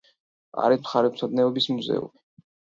არის მხარეთმცოდნეობის მუზეუმი.